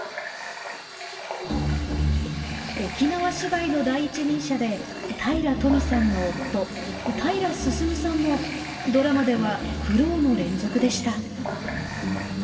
沖縄芝居の第一人者で平良とみさんの夫平良進さんもドラマでは苦労の連続でした。